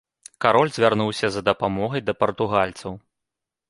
Кароль звярнуўся за дапамогай да партугальцаў.